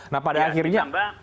nah pada akhirnya